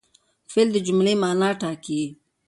فعل د جملې مانا ټاکي.